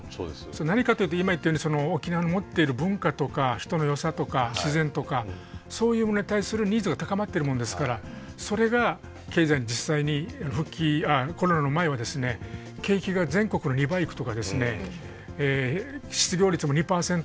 何かというと今言ったように沖縄の持っている文化とか人のよさとか自然とかそういうものに対するニーズが高まっているもんですからそれが経済に実際にコロナの前は景気が全国の２倍いくとか失業率も２％